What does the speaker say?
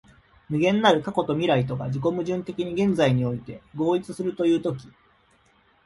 無限なる過去と未来とが自己矛盾的に現在において合一するという時、